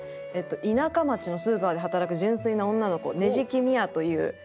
田舎町のスーパーで働く純粋な女の子捻木深愛という役。